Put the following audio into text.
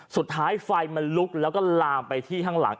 ไฟมันลุกแล้วก็ลามไปที่ข้างหลัง